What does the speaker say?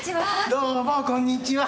どうもこんにちは。